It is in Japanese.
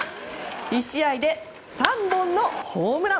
１試合で３本のホームラン。